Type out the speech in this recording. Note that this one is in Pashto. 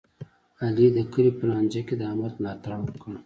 علي د کلي په لانجه کې د احمد ملا تړ وکړ.